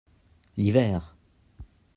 L'hiver.